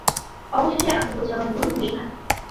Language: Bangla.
অবশেষে আসাদুজ্জামান নূর গুলি খান।